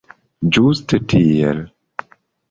Ĝuste tiel!